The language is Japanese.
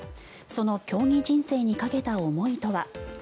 その競技人生にかけた思いとは。